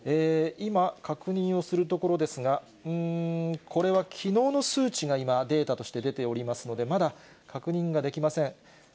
今、確認をするところですが、これはきのうの数値が今、データとして出ておりますので、まだ、確認ができません。